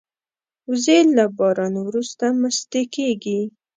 وزې له باران وروسته مستې کېږي